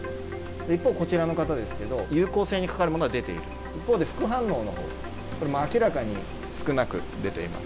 一方、こちらの方ですけど、有効性にかかるものは出ている、一方で副反応のほう、これも明らかに少なく出ています。